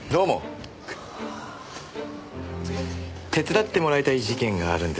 手伝ってもらいたい事件があるんですが。